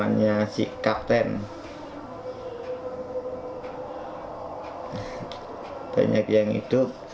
saya merasa sedikit sakit sedikit verdiga meruntuh